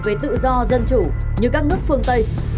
về tự do dân chủ như các nước phương tây